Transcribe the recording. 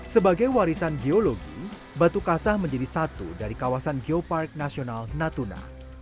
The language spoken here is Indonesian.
sebagai warisan geologi batu kasah menjadi satu dari kawasan geopark nasional natuna